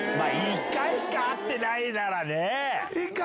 １回しか会ってないならね。